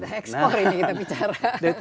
ekspor ini kita bicara